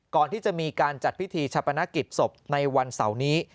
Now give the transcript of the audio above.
ก่อนที่จะมีการจัดพิธีชะปนกิจศพในวันเสาร์นี้